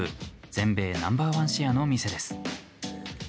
全米ナンバー１シェアの店です。